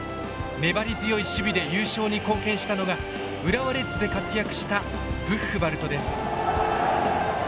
粘り強い守備で優勝に貢献したのが浦和レッズで活躍したブッフバルトです。